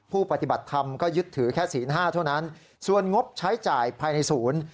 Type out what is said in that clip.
ปฏิบัติธรรมก็ยึดถือแค่ศีลห้าเท่านั้นส่วนงบใช้จ่ายภายในศูนย์